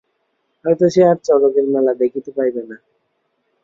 হয়তো সে আর চড়কের মেলা দেখিতে পাইবে না!